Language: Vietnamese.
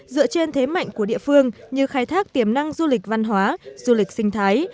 dựa trên thế mạnh của địa phương như khai thác tiềm năng du lịch văn hóa du lịch sinh thái